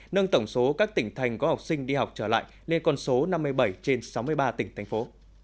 nâng tổng số các tỉnh thành có học sinh đi học trở lại lên con số năm mươi bảy trên sáu mươi ba tỉnh thành phố